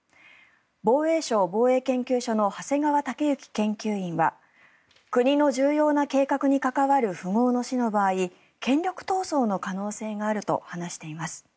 防衛省防衛研究所の長谷川雄之研究員は国の重要な計画に関わる富豪の死の場合権力闘争の可能性があると話しています。